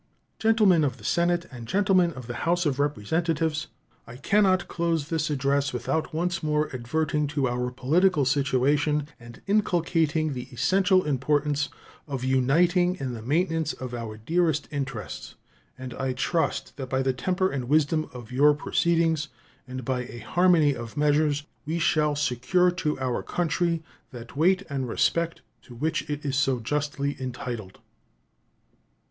Gentlemen of the Senate and Gentlemen of the House of Representatives: I can not close this address without once more adverting to our political situation and inculcating the essential importance of uniting in the maintenance of our dearest interests; and I trust that by the temper and wisdom of your proceedings and by a harmony of measures we shall secure to our country that weight and respect to which it is so justly entitled.